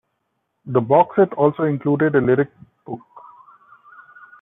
The boxset also included a lyric book.